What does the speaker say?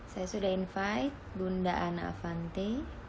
saya sudah invite bunda ana avanti